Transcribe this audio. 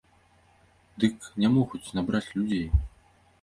Дык не могуць набраць людзей!